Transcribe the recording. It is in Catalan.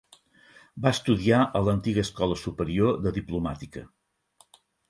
Va estudiar a l'antiga Escola Superior de Diplomàtica.